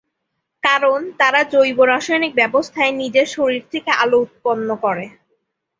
কারণ, তারা জৈব রাসায়নিক ব্যবস্থায় নিজের শরীর থেকে আলো উৎপন্ন করে।